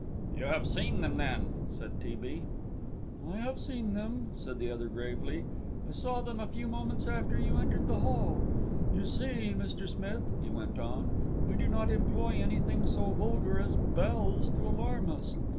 "You have seen them, then," said T. B. "I have seen them," said the other gravely. "I saw them a few moments after you entered the hall. You see, Mr. Smith," he went on, "we do not employ anything so vulgar as bells to alarm us.